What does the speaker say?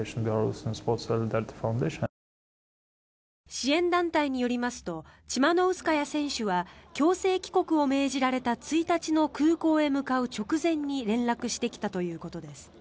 支援団体によりますとチマノウスカヤ選手は強制帰国を命じられた１日の空港へ向かう直前に連絡してきたということです。